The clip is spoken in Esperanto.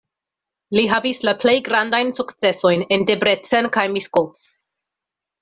Li havis la plej grandajn sukcesojn en Debrecen kaj Miskolc.